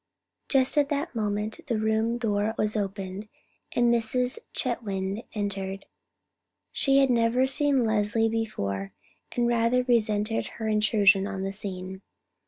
Just at that moment the room door was opened, and Mrs. Chetwynd entered. She had never seen Leslie before, and rather resented her intrusion on the scene.